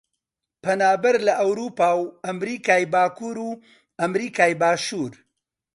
پەنابەر لە ئەورووپا و ئەمریکای باکوور و ئەمریکای باشوور